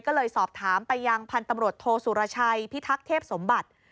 ก็เลยสอบถามไปยังพันธุ์ตำรวจโทสุรชัยพิทักษ์สมบัติ